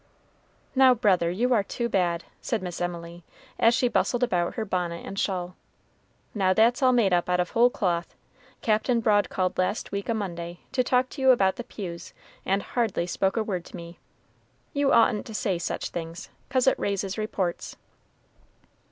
"Now, brother, you are too bad," said Miss Emily, as she bustled about her bonnet and shawl. "Now, that's all made up out of whole cloth. Captain Broad called last week a Monday, to talk to you about the pews, and hardly spoke a word to me. You oughtn't to say such things, 'cause it raises reports."